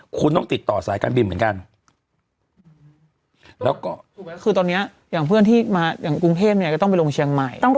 คุณต้องติดต่อสายการบินเหมือนกันแล้วก็คือตอนนี้อย่างเพื่อนที่มาอย่างกรุงเทพเนี่ยก็ต้องไปลงเชียงใหม่